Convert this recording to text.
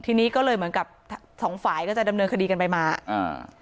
ทีนี้ก็เลยเหมือนกับสองฝ่ายก็จะดำเนินคดีกันไปมาอ่า